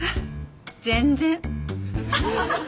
全然。